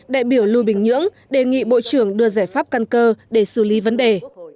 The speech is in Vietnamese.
đại biểu lưu bình nhưỡng đề nghị bộ trưởng đưa giải pháp căn cơ để xử lý vấn đề